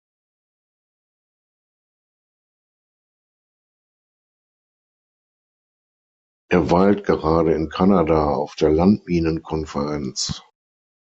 Er weilt gerade in Kanada auf der Landminenkonferenz.